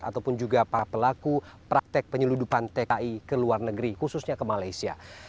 ataupun juga para pelaku praktek penyeludupan tki ke luar negeri khususnya ke malaysia